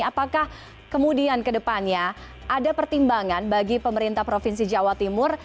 apakah kemudian ke depannya ada pertimbangan bagi pemerintah provinsi jawa timur